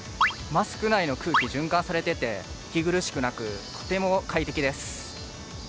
マスク内の空気、循環されてて息苦しくなく、とても快適です。